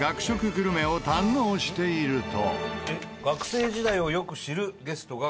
グルメを堪能していると。